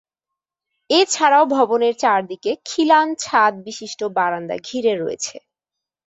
এছাড়াও ভবনের চারদিকে খিলান ছাদ বিশিষ্ট বারান্দা ঘিরে রয়েছে।